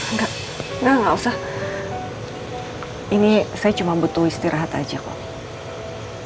enggak enggak enggak usah ini saya cuma butuh istirahat aja kok